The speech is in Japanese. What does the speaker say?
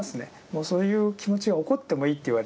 もうそういう気持ちが起こってもいいって言われると。